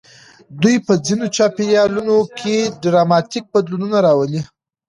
دوی په ځینو چاپېریالونو کې ډراماتیک بدلونونه راوړل.